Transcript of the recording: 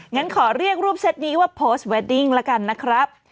งั้นขอเรียกรูปเซ็ตนี้ว่าโพสต์เวดดิ้งแล้วกันนะครับ